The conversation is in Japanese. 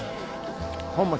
本町。